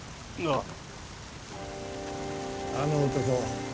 ああの男